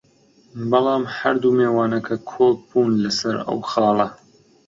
بەڵام هەردوو میوانەکە کۆک بوون لەسەر ئەو خاڵە